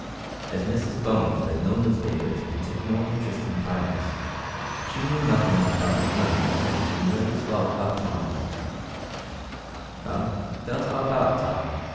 As Mrs Bones read no newspapers and took no interest in fires, she knew nothing about the one that had so nearly swallowed up Tottie. "Come, tell us all about it, Tot.